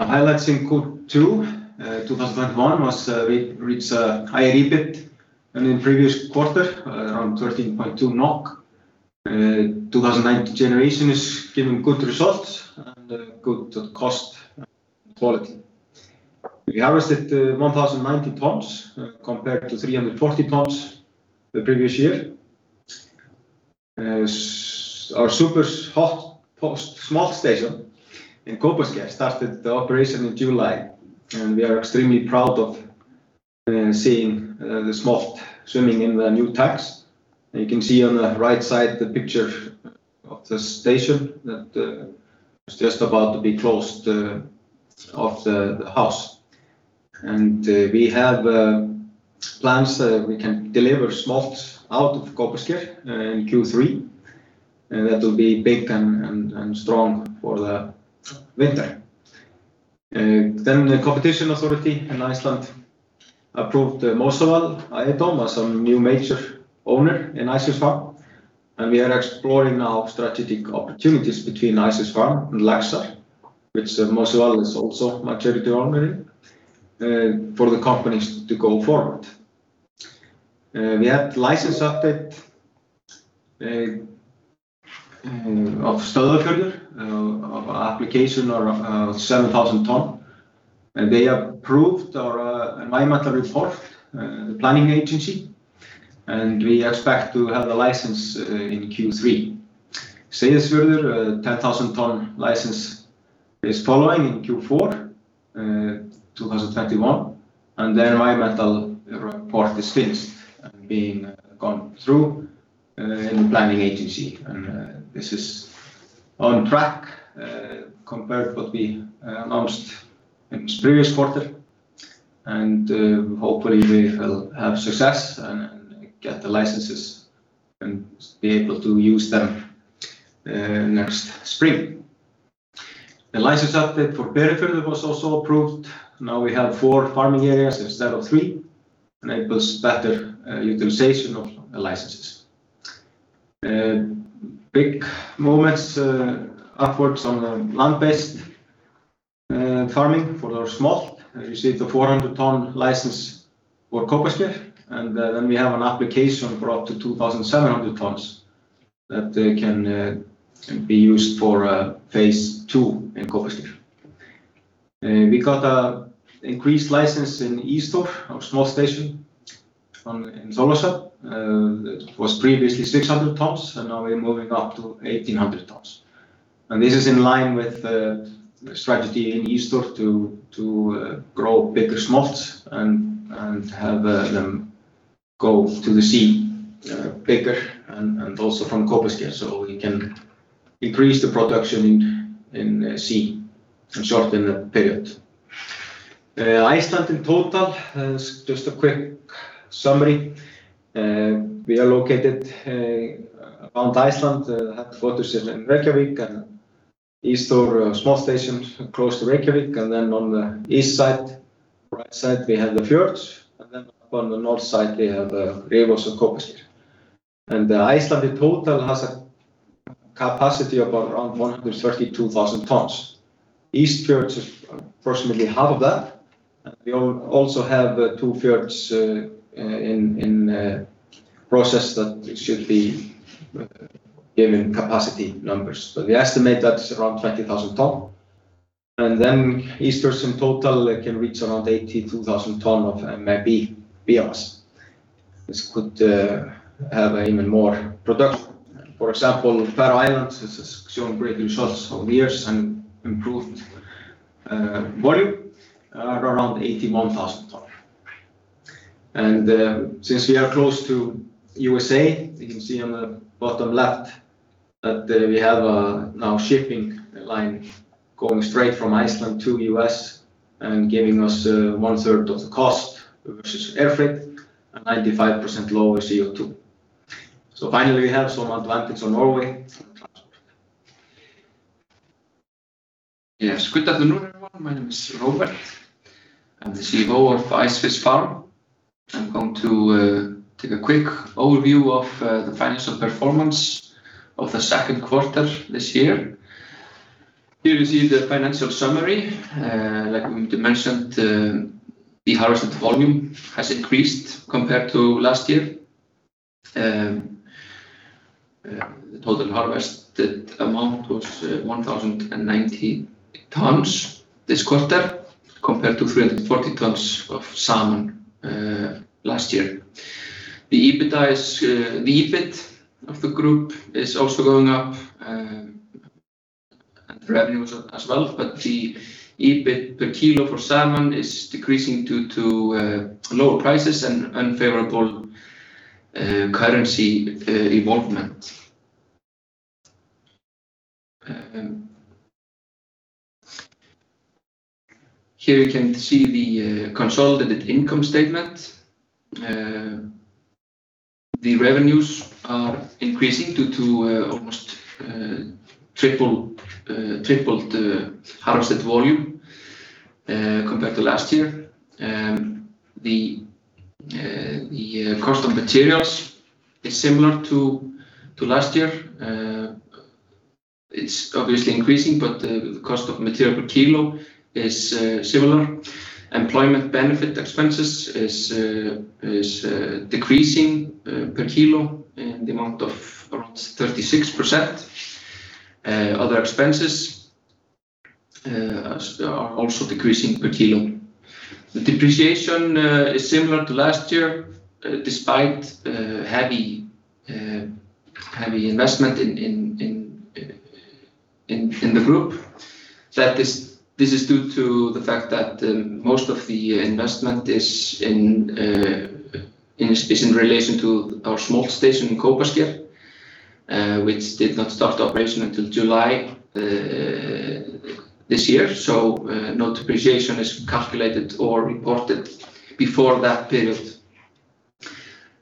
Highlights in Q2 2021 was, we reached a higher EBIT than in previous quarter, around 13.2 NOK. 2019 generation is giving good results and good cost and quality. We harvested 1,090 tons compared to 340 tons the previous year. Our super-hot post-smolt station in Kópasker started the operation in July. We are extremely proud of seeing the smolt swimming in the new tanks. You can see on the right side the picture of the station that was just about to be closed of the house. We have plans that we can deliver smolts out of Kópasker in Q3. That will be big and strong for the winter. The Icelandic Competition Authority approved Mossi ehf. as a new major owner in Ice Fish Farm. We are exploring now strategic opportunities between Ice Fish Farm and Laxar, which Mossi ehf. is also majority owner in, for the companies to go forward. We had license update of Stöðvarfjörður of application of 7,000 ton. They approved our environmental report, the Planning Agency. We expect to have the license in Q3. Seyðisfjörður 10,000 ton license is following in Q4 2021. The environmental report is finished and being gone through in the Planning Agency. This is on track compared what we announced in previous quarter. Hopefully we will have success and get the licenses and be able to use them next spring. The license update for Berufjörður was also approved. Now we have four farming areas instead of three enables better utilization of the licenses. Big moments upwards on the land-based farming for our smolt. As you see, the 400 ton license for Kópasker. We have an application for up to 2,700 tons that can be used for phase II in Kópasker. We got increased license in Ístorf our smolt station in Súðavík. That was previously 1,600 tons, now we're moving up to 1,800 tons. This is in line with the strategy in Ístorf to grow bigger smolts and have them go to the sea bigger and also from Kópasker so we can increase the production in sea in shorten period. Iceland in total, just a quick summary. We are located around Iceland, headquarters in Reykjavík and Ístorf smolt station close to Reykjavík. On the east side, right side, we have the fjords. Up on the north side, we have Reykjahlíð and Kópasker. Iceland in total has a capacity of around 132,000 tons. Eastfjords is approximately half of that. We also have two fjords in process that should be given capacity numbers. We estimate that's around 20,000 tons. Ístorf in total can reach around 82,000 tons of MAB biomass. This could have even more production. For example, Faroe Islands has shown great results over the years and improved volume are around 81,000 tons. Since we are close to the U.S., you can see on the bottom left that we have now shipping line going straight from Iceland to the U.S. and giving us one third of the cost versus air freight and 95% lower CO₂. Finally, we have some advantage on Norway for transport. Yes. Good afternoon, everyone. My name is Róbert. I'm the CEO of Ice Fish Farm. I'm going to take a quick overview of the financial performance of the second quarter this year. Here you see the financial summary. Like Guðmundur mentioned, the harvested volume has increased compared to last year. The total harvested amount was 1,090 tons this quarter compared to 340 tons of salmon last year. The EBIT of the group is also going up, and revenue as well. The EBIT per kilo for salmon is decreasing due to lower prices and unfavorable currency involvement. Here you can see the consolidated income statement. The revenues are increasing due to almost tripled harvested volume compared to last year. The cost of materials is similar to last year. It's obviously increasing, but the cost of material per kilo is similar. Employment benefit expenses is decreasing per kilo in the amount of around 36%. Other expenses are also decreasing per kilo. The depreciation is similar to last year, despite heavy investment in the group. This is due to the fact that most of the investment is in relation to our smolt station in Kópasker, which did not start operation until July this year, so no depreciation is calculated or reported before that period.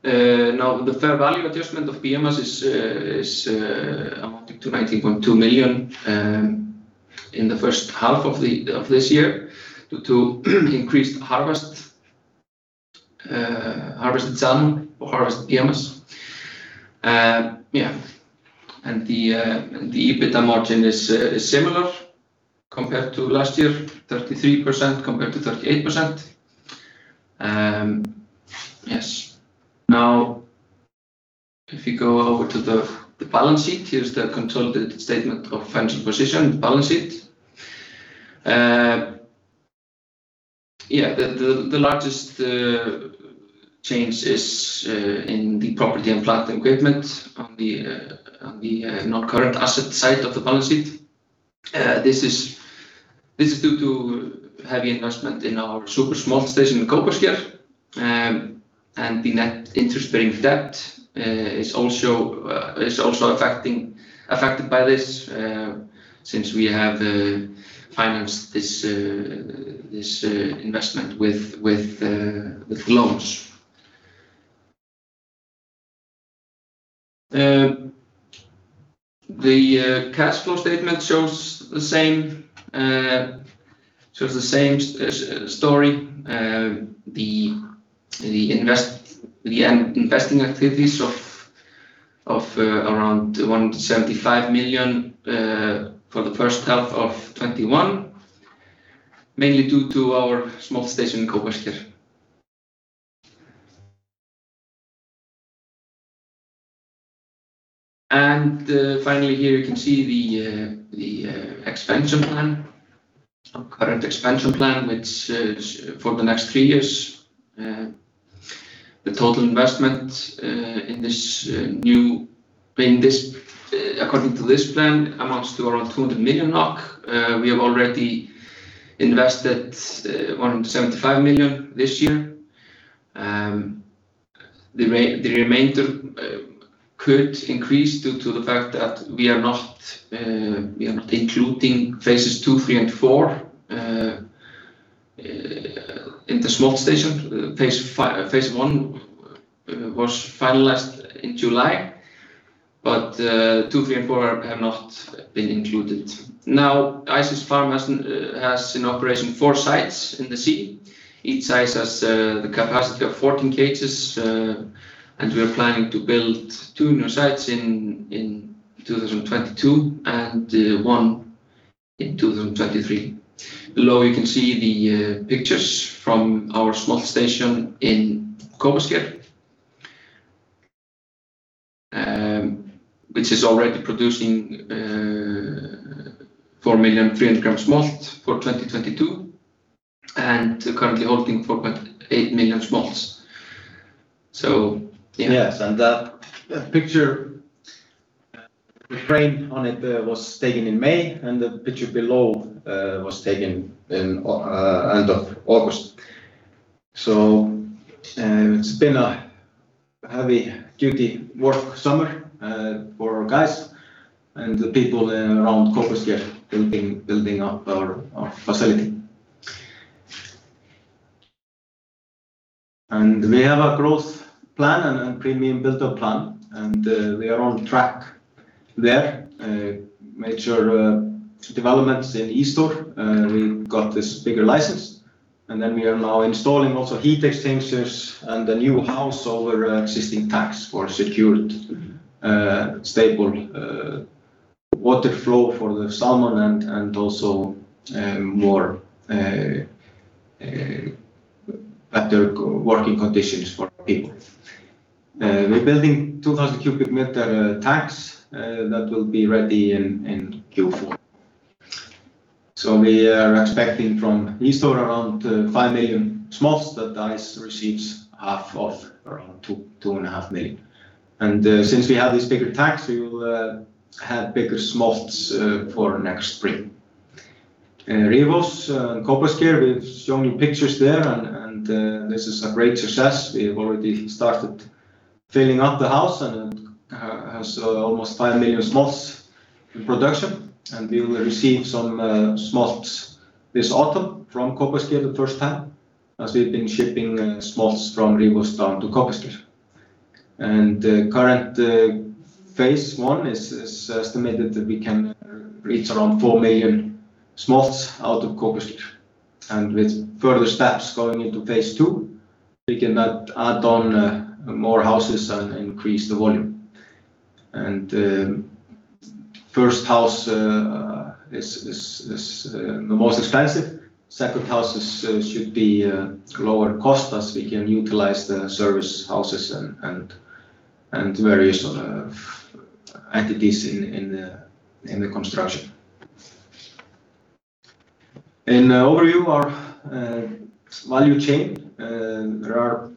The fair value adjustment of biomass is amounting to 19.2 million in the first half of this year due to increased harvested salmon or harvested biomass. The EBITDA margin is similar compared to last year, 33% compared to 38%. Yes. If you go over to the balance sheet. Here's the consolidated statement of financial position, balance sheet. The largest change is in the property and plant equipment on the non-current asset side of the balance sheet. This is due to heavy investment in our super smolt station in Kópasker. The net interest-bearing debt is also affected by this since we have financed this investment with loans. The cash flow statement shows the same story. The investing activities of around 175 million for the first half of 2021, mainly due to our smolt station in Kópasker. Finally, here you can see the expansion plan. Our current expansion plan, which is for the next three years. The total investment according to this plan amounts to around 200 million NOK. We have already invested 175 million this year. The remainder could increase due to the fact that we are not including phase II, III, and IV in the smolt station. Phase I was finalized in July. II, III, and IV have not been included. Now, Ice Fish Farm has in operation four sites in the sea. Each site has the capacity of 14 cages. We are planning to build two new sites in 2022 and one in 2023. Below, you can see the pictures from our smolt station in Kópasker, which is already producing 4,300,000 smolt for 2022 and currently holding 4.8 million smolts. That picture with rain on it was taken in May, and the picture below was taken in end of August. It's been a heavy duty work summer for our guys and the people around Kópasker building up our facility. We have a growth plan and premium build-up plan, and we are on track there. Major developments in Ísþór. We got this bigger license, and we are now installing also heat exchangers and a new house over existing tanks for secured stable water flow for the salmon and also better working conditions for people. We're building 2,000 cubic meter tanks that will be ready in Q4. We are expecting from Ísþór around 5 million smolts that Ice Fish Farm AS receives half of, around 2.5 million. Since we have these bigger tanks, we will have bigger smolts for next spring. Rifós in Kópasker, we've shown you pictures there, and this is a great success. We've already started filling up the house, and it has almost 5 million smolts in production. We will receive some smolts this autumn from Kópasker the first time, as we've been shipping smolts from Rifós down to Kópasker. Current phase I is estimated that we can reach around 4 million smolts out of Kópasker. With further steps going into phase II, we can add on more houses and increase the volume. First house is the most expensive. Second house should be lower cost as we can utilize the service houses and various entities in the construction. In overview, our value chain, there are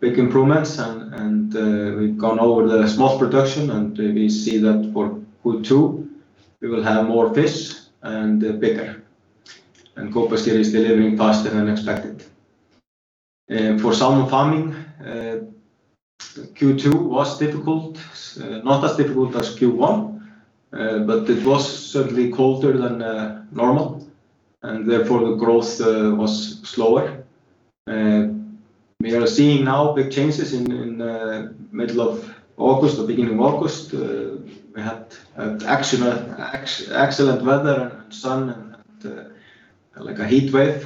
big improvements. We've gone over the smolt production, we see that for Q2, we will have more fish and bigger. Kópasker is delivering faster than expected. For salmon farming, Q2 was difficult, not as difficult as Q1. It was certainly colder than normal, therefore the growth was slower. We are seeing now big changes in middle of August or beginning of August. We had excellent weather and sun and a heat wave.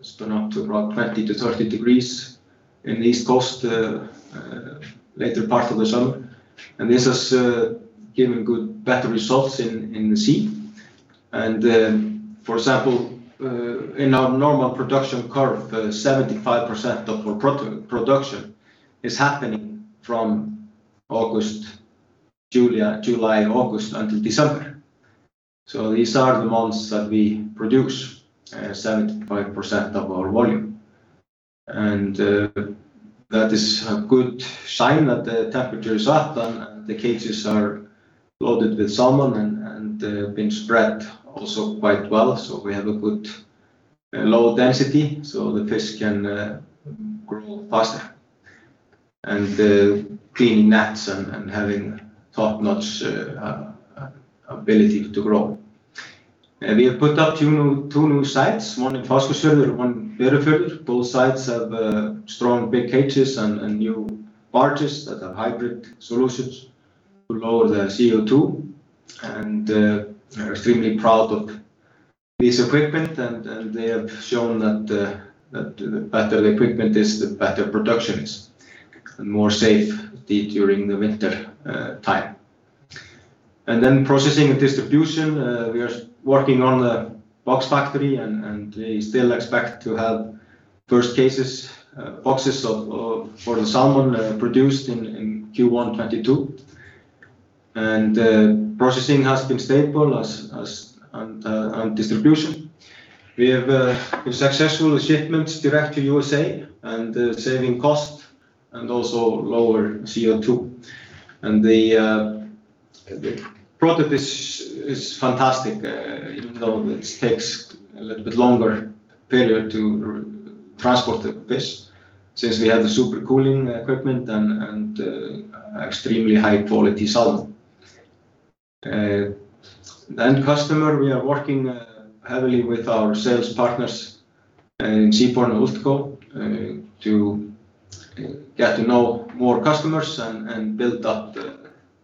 It's been up to around 20 to 30 degrees in the East Coast, later part of the summer. This has given good better results in the sea. For example, in our normal production curve, 75% of our production is happening from July, August until December. These are the months that we produce 75% of our volume. That is a good sign that the temperature is up and the cages are loaded with salmon and been spread also quite well. We have a good low density so the fish can grow faster, and clean nets and having top-notch ability to grow. We have put up two new sites, one in Fossvogur, one Berufjörður. Both sites have strong big cages and new barges that have hybrid solutions to lower their CO₂, and extremely proud of this equipment. They have shown that the better the equipment is, the better production is, and more safe during the winter time. Processing and distribution, we are working on the box factory, and we still expect to have first cases, boxes for the salmon produced in Q1 2022. Processing has been stable and distribution. We have successful shipments direct to USA and saving cost and also lower CO₂. The product is fantastic, even though it takes a little bit longer period to transport the fish since we have the super cooling equipment and extremely high-quality salmon. Customer, we are working heavily with our sales partners in Seaport and Utgo to get to know more customers and build up the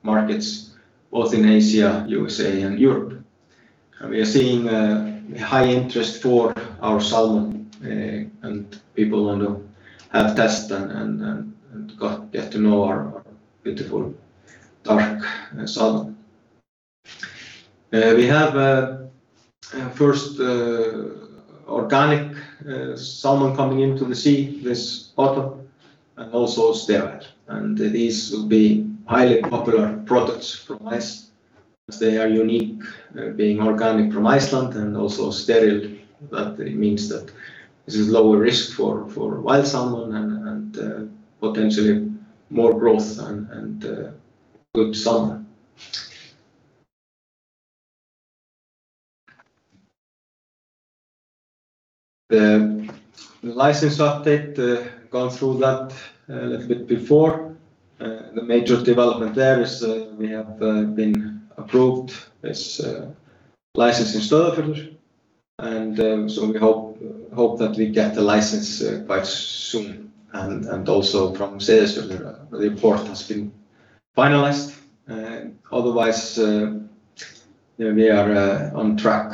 markets both in Asia, USA, and Europe. We are seeing a high interest for our salmon and people want to have test and get to know our beautiful dark salmon. We have first organic salmon coming into the sea this autumn, and also sterile. These will be highly popular products from us as they are unique, being organic from Iceland and also sterile. That means that this is lower risk for wild salmon and potentially more growth and good summer. The license update, gone through that a little bit before. The major development there is we have been approved this license in Stöðvarfjörður, and so we hope that we get the license quite soon, and also from Seyðisfjörður, the report has been finalized. Otherwise, we are on track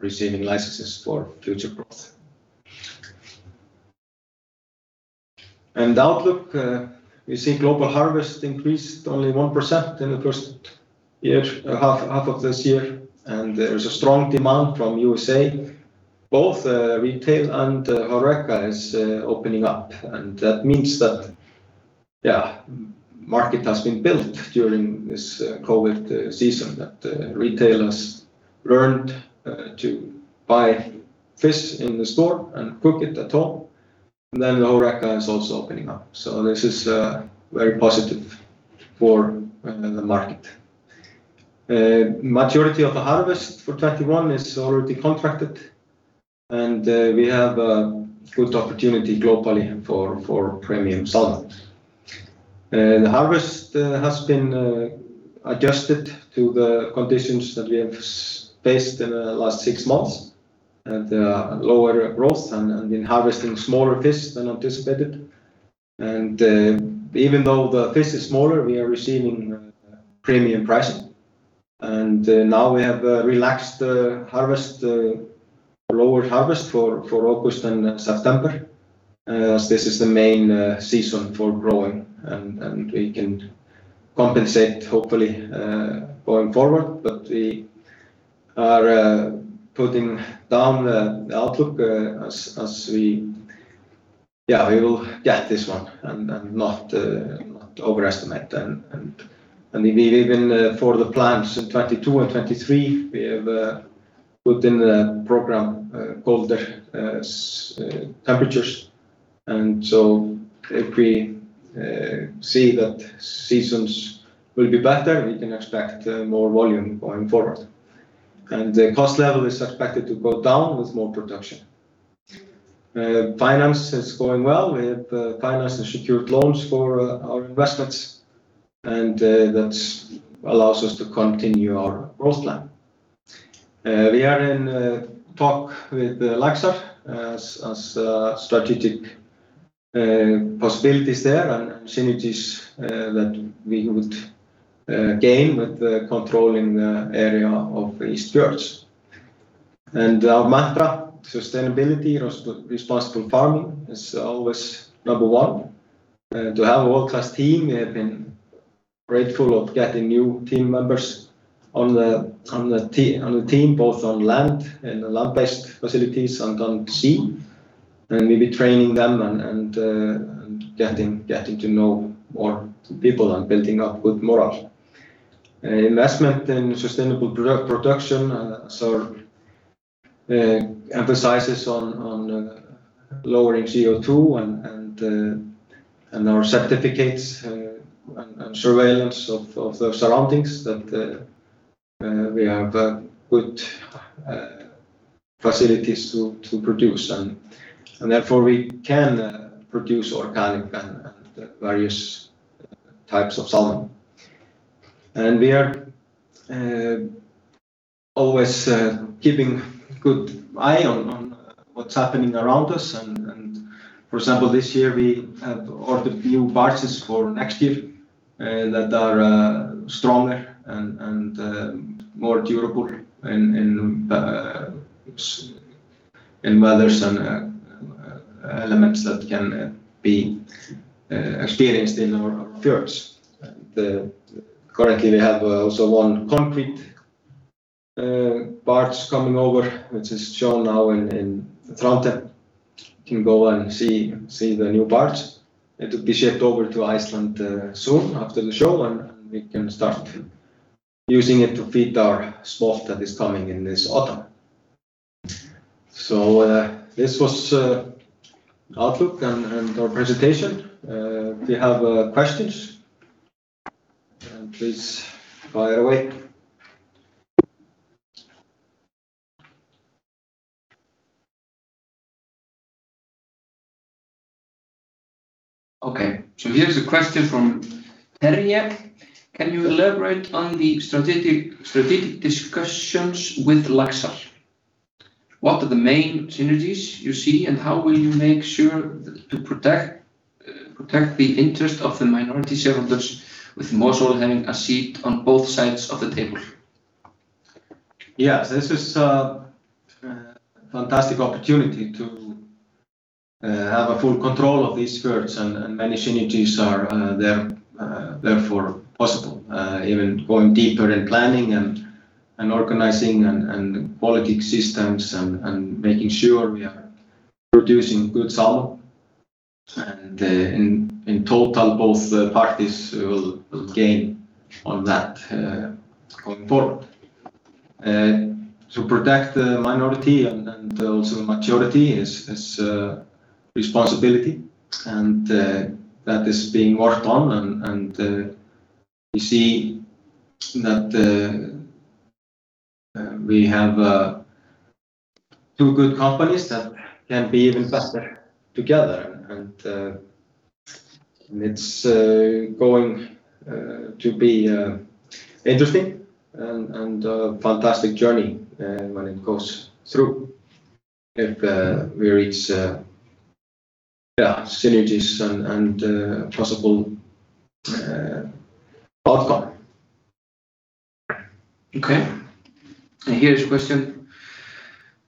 on receiving licenses for future growth. Outlook, we see global harvest increased only 1% in the first half of this year, and there is a strong demand from USA. Both retail and HORECA is opening up, and that means that market has been built during this COVID season, that retailers learned to buy fish in the store and cook it at home. The HORECA is also opening up. This is very positive for the market. Majority of the harvest for 2021 is already contracted, and we have a good opportunity globally for premium salmon. The harvest has been adjusted to the conditions that we have faced in the last six months. Lower growth, and we have been harvesting smaller fish than anticipated. Even though the fish is smaller, we are receiving premium pricing. Now we have relaxed harvest, lower harvest for August and September, as this is the main season for growing, and we can compensate hopefully going forward. We are putting down the outlook as we will get this one and not overestimate. Even for the plans in 2022 and 2023, we have put in a program, colder temperatures. If we see that seasons will be better, we can expect more volume going forward. The cost level is expected to go down with more production. Finance is going well. We have finance and secured loans for our investments, and that allows us to continue our growth plan. We are in talk with Laxar as strategic possibilities there and synergies that we would gain with controlling the area of Eastfjords. Our mantra, sustainability, responsible farming is always number one. To have a world-class team, we have been grateful of getting new team members on the team, both on land and the land-based facilities and on sea. We've been training them and getting to know more people and building up good morale. Investment in sustainable production, so emphasizes on lowering CO₂ and our certificates and surveillance of the surroundings that we have good facilities to produce. Therefore, we can produce organic and various types of salmon. We are always keeping good eye on what's happening around us. For example, this year we have ordered new barges for next year that are stronger and more durable in weathers and elements that can be experienced in our fjords. Currently, we have also one concrete barge coming over, which is shown now in Trondheim. You can go and see the new barge. It will be shipped over to Iceland soon after the show, and we can start using it to feed our smolt that is coming in this autumn. This was outlook and our presentation. If you have questions, please fire away. Here's a question from Terje: Can you elaborate on the strategic discussions with Laxar? What are the main synergies you see, and how will you make sure to protect the interest of the minority shareholders with Mossi ehf. having a seat on both sides of the table? This is a fantastic opportunity to have a full control of these fjords and many synergies are therefore possible. Even going deeper in planning and organizing and quality systems and making sure we are producing good salmon. In total, both parties will gain on that going forward. To protect the minority and also the majority is responsibility, and that is being worked on, and we see that we have two good companies that can be even better together. It's going to be interesting and a fantastic journey when it goes through, if we reach synergies and possible outcome. Okay. Here's a question.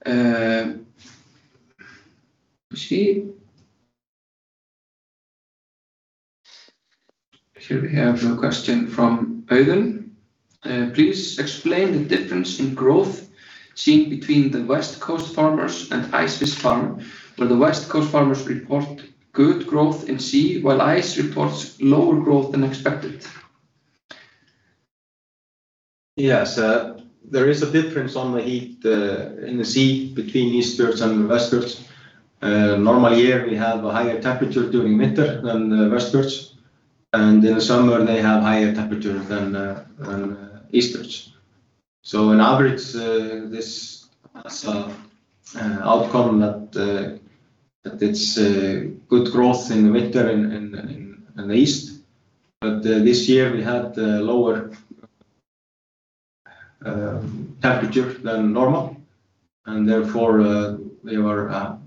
Let me see. Here we have a question from Audun: Please explain the difference in growth seen between the West Coast farmers and Ice Fish Farm, where the West Coast farmers report good growth in sea while Ice Fish Farm reports lower growth than expected. Yes, there is a difference on the heat in the sea between Eastfjords and Westfjords. Normal year, we have a higher temperature during winter than Westfjords, and in the summer, they have higher temperature than Eastfjords. On average, this has outcome that it's good growth in winter in the East. This year we had lower temperature than normal, and therefore they were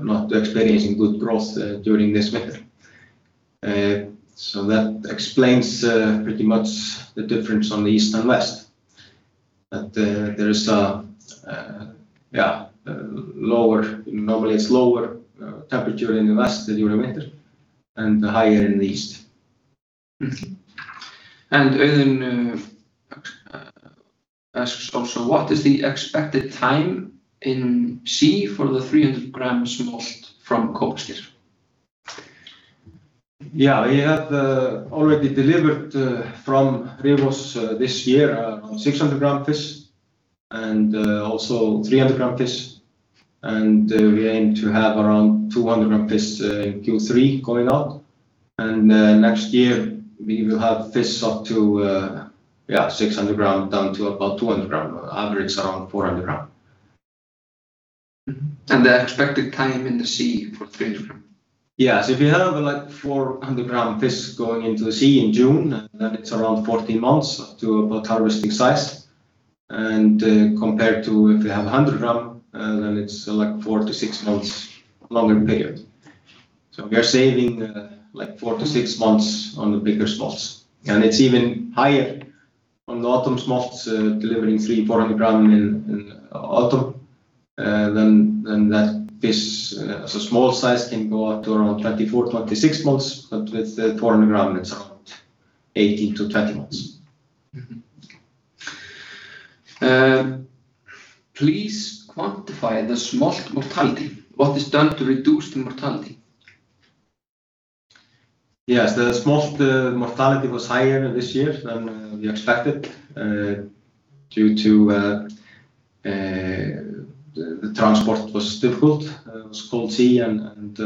not experiencing good growth during this winter. That explains pretty much the difference on the East and West. That there is normally it's lower temperature in the West during winter and higher in the East. Audun asks also, what is the expected time in sea for the 300g smolt from Kópasker? Yeah, we have already delivered from Rifós this year around 600g fish and also 300g fish. We aim to have around 200g fish in Q3 going out. Next year we will have fish up to 600g, down to about 200g, average around 400g. The expected time in the sea for 300g. If you have 400g fish going into the sea in June, then it's around 14 months up to about harvesting size. Compared to if you have 100g, then it's four to six months longer period. We are saving four to six months on the bigger smolts. It's even higher on the autumn smolts delivering 3 400g in autumn than that fish. Small size can go up to around 24-26 months, but with the 400g, it's around 18-20 months. Please quantify the smolt mortality. What is done to reduce the mortality? Yes. The smolt mortality was higher this year than we expected due to the transport was difficult. It was cold sea, and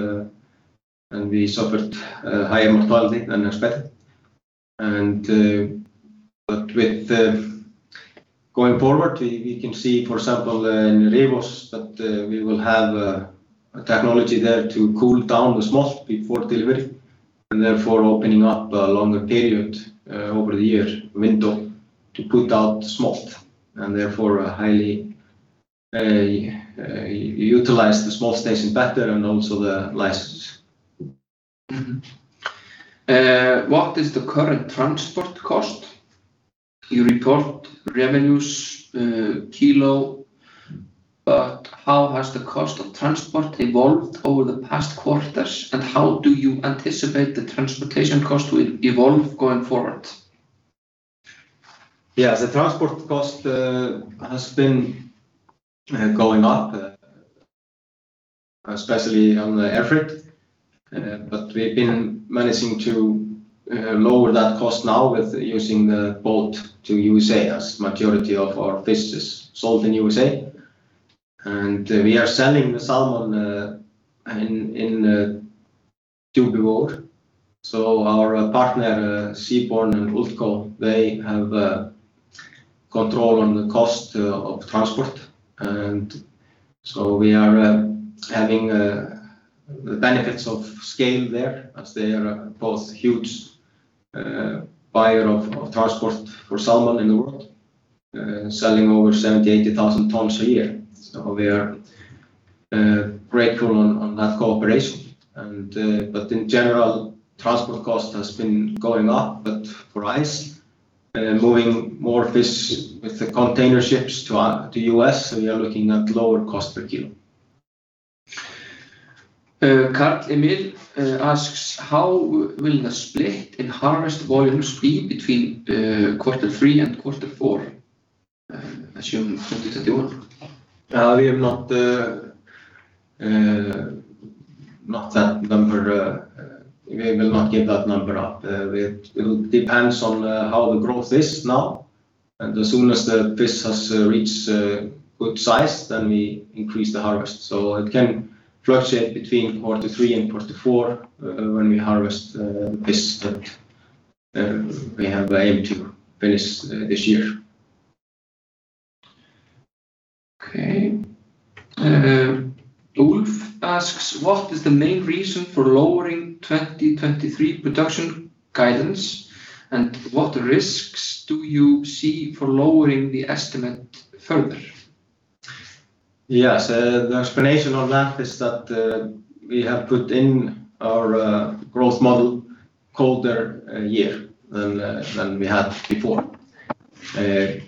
we suffered higher mortality than expected. With going forward, we can see, for example, in Rifós that we will have a technology there to cool down the smolt before delivery, and therefore opening up a longer period over the year window to put out smolt, and therefore utilize the smolt station better and also the licenses. What is the current transport cost? You report revenues kilo, but how has the cost of transport evolved over the past quarters, and how do you anticipate the transportation cost will evolve going forward? Yeah. The transport cost has been going up, especially on the air freight. We've been managing to lower that cost now with using the boat to U.S.A. as majority of our fish is sold in U.S.A. We are selling the salmon in duty paid. Our partner, Seaborn and Ulco, they have control on the cost of transport. We are having the benefits of scale there as they are both huge buyer of transport for salmon in the world selling over 70,000, 80,000 tons a year. We are grateful on that cooperation. In general, transport cost has been going up. For Ice, moving more fish with the container ships to U.S., we are looking at lower cost per kilo. Karl Emil asks, how will the split in harvest volumes be between Q3 and Q4 as shown in 2021? Yeah. We have not that number. We will not give that number up. It will depends on how the growth is now. As soon as the fish has reached good size, then we increase the harvest. It can fluctuate between quarter three and quarter four when we harvest fish that we have aim to finish this year. Okay. Ulf asks, what is the main reason for lowering 2023 production guidance, and what risks do you see for lowering the estimate further? Yes. The explanation on that is that we have put in our growth model colder year than we had before. I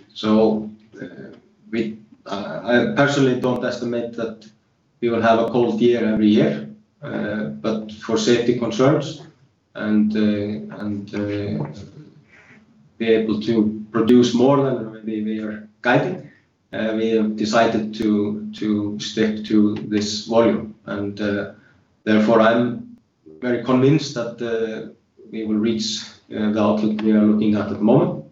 personally don't estimate that we will have a cold year-over-year. For safety concerns and be able to produce more than maybe we are guiding, we have decided to stick to this volume. Therefore, I'm very convinced that we will reach the outlook we are looking at the moment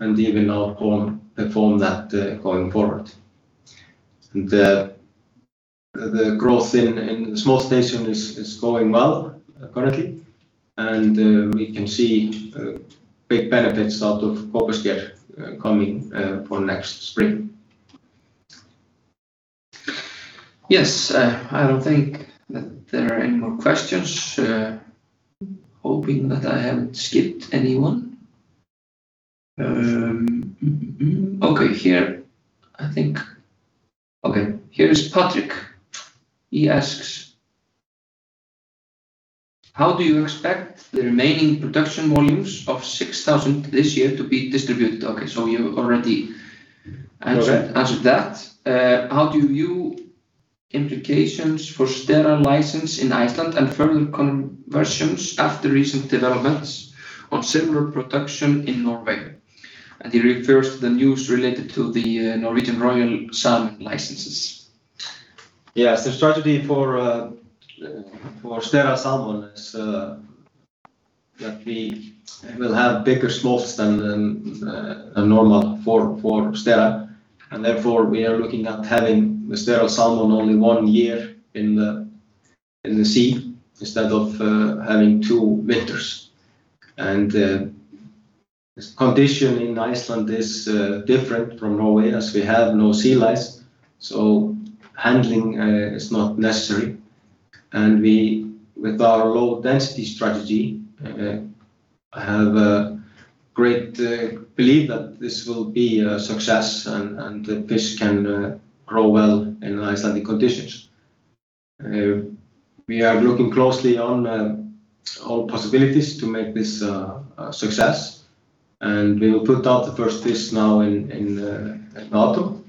and even outperform that going forward. The growth in the smolt station is going well currently. We can see big benefits out of Kópasker coming for next spring. Yes. I don't think that there are any more questions. Hoping that I haven't skipped anyone. Here is Patrick. He asks, "How do you expect the remaining production volumes of 6,000 this year to be distributed?" You already answered that. "How do you view implications for sterile license in Iceland and further conversions after recent developments on similar production in Norway?" He refers to the news related to the Norway Royal Salmon licenses. Yes, the strategy for sterile salmon is that we will have bigger smolts than normal for sterile. Therefore, we are looking at having the sterile salmon only one year in the sea instead of having two winters. Condition in Iceland is different from Norway as we have no sea lice, so handling is not necessary. With our low density strategy, I have a great belief that this will be a success, and the fish can grow well in Icelandic conditions. We are looking closely on all possibilities to make this a success. We will put out the first fish now in the autumn,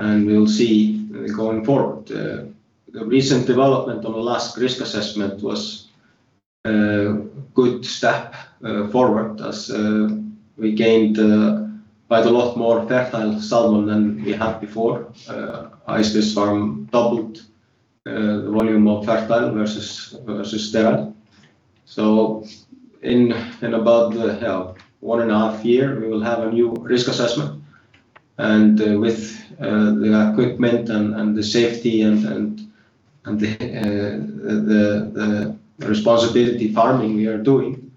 and we will see going forward. The recent development on the last risk assessment was a good step forward as we gained quite a lot more fertile salmon than we had before. Ice Fish farm doubled the volume of fertile versus sterile. In about one and a half years, we will have a new risk assessment. With the equipment and the safety and the responsibility farming we are doing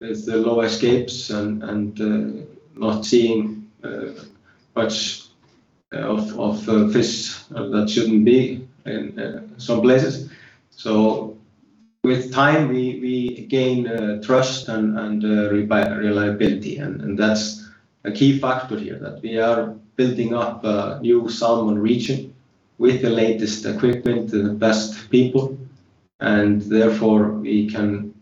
with the low escapes and not seeing much of fish that shouldn't be in some places. With time, we gain trust and reliability. That's a key factor here, that we are building up a new salmon region with the latest equipment, the best people, and therefore we can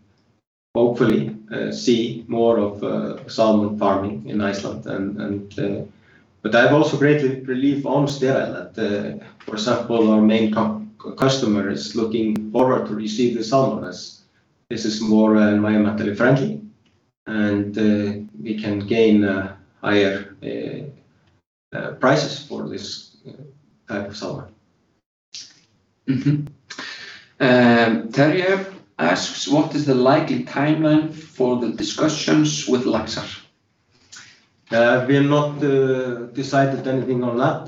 hopefully see more of salmon farming in Iceland. I have also great relief on sterile that, for example, our main customer is looking forward to receive the salmon as this is more environmentally friendly, and we can gain higher prices for this type of salmon. Terje asks, "What is the likely timeline for the discussions with Laxar? We have not decided anything on that.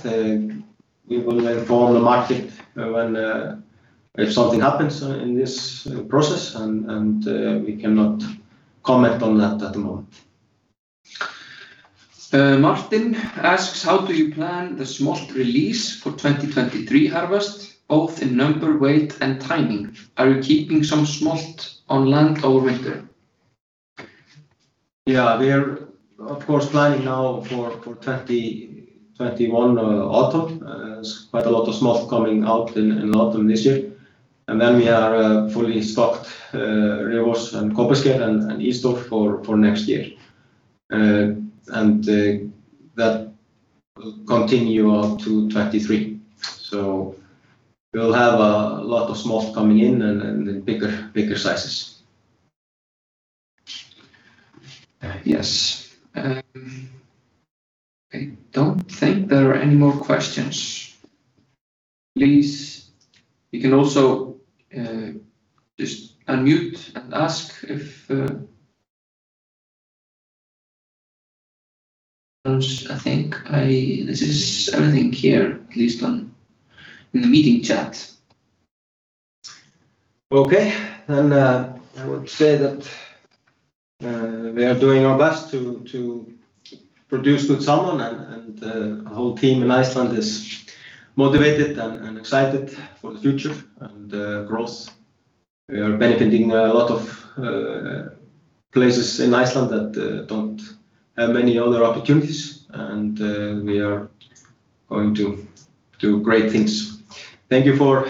We will inform the market if something happens in this process, and we cannot comment on that at the moment. Martin asks, "How do you plan the smolt release for 2023 harvest, both in number, weight, and timing? Are you keeping some smolt on land over winter? Yeah, we are of course planning now for 2021 autumn. There's quite a lot of smolt coming out in autumn this year. We are fully stocked Reykjahlíð and Kópasker and Eastfjords for next year. That will continue on to 2023. We'll have a lot of smolt coming in in bigger sizes. Yes. I don't think there are any more questions. Please, you can also just unmute and ask if I think this is everything here, at least in the meeting chat. I would say that we are doing our best to produce good salmon, and the whole team in Iceland is motivated and excited for the future and growth. We are benefiting a lot of places in Iceland that don't have many other opportunities, and we are going to do great things. Thank you for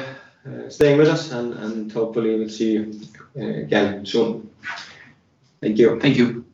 staying with us, and hopefully we'll see you again soon. Thank you. Thank you.